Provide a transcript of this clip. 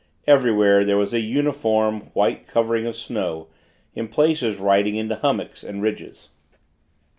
Everywhere, there was a uniform, white covering of snow, in places rising into hummocks and ridges.